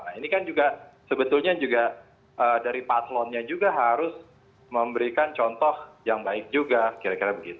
nah ini kan juga sebetulnya juga dari paslonnya juga harus memberikan contoh yang baik juga kira kira begitu